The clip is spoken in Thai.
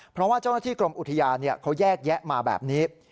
เพราะว่าเจ้าหน้าที่กรมอุทยานเขาแยกแยะมาแบบนี้